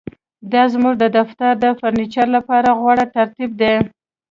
دا زموږ د دفتر د فرنیچر لپاره غوره ترتیب دی